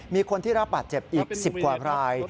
มีคนที่รับบาดเจ็บอีก๑๐กว่าราย